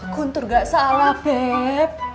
guntur gak salah beb